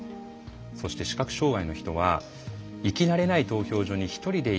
そして、視覚障害の人は行き慣れない投票所に１人で行くのが怖い。